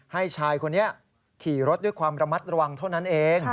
ชายคนนี้ขี่รถด้วยความระมัดระวังเท่านั้นเอง